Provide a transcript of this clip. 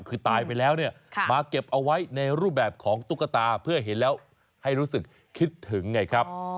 คือตายไปแล้วเนี่ยมาเก็บเอาไว้ในรูปแบบของตุ๊กตาเพื่อเห็นแล้วให้รู้สึกคิดถึงไงครับ